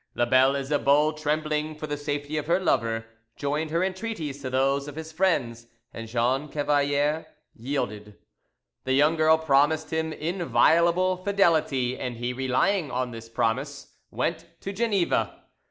La belle Isabeau, trembling for the safety of her lover, joined her entreaties to those of his friends, and Jean Cavalier yielded. The young girl promised him inviolable fidelity, and he, relying on this promise, went to Geneva.